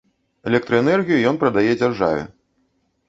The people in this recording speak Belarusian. Электраэнергію ён прадае дзяржаве.